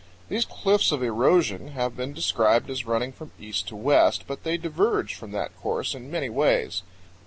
These cliffs of erosion have been described as running from east to west, but they diverge from that course in many ways.